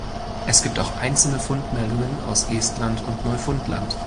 Es gibt auch einzelne Fundmeldungen aus Estland und Neufundland.